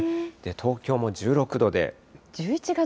東京も１６度で。